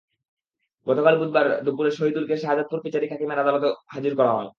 গতকাল বুধবার দুপুরে শহিদুলকে শাহজাদপুর বিচারিক হাকিমের আদালতে হাজির করা হয়।